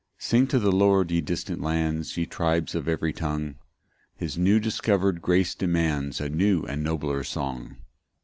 1 Sing to the Lord, ye distant lands, Ye tribes of every tongue; His new discover'd grace demands A new and nobler song.